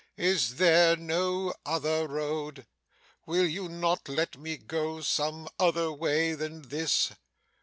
'Is there no other road? Will you not let me go some other way than this?